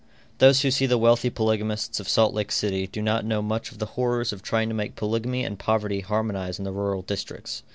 Those who see the wealthy polygamists of Salt Lake City, do not know much of the horrors of trying to make polygamy and poverty harmonize in the rural districts.